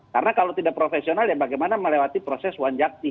karena kalau tidak profesional ya bagaimana melewati proses wanjakti